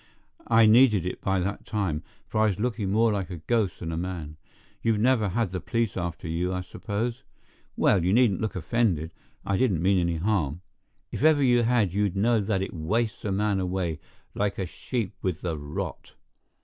I needed it by that time, for I was looking more like a ghost than a man. You've never had the police after you, I suppose? Well, you needn't look offended, I didn't mean any harm. If ever you had you'd know that it wastes a man away like a sheep with the rot.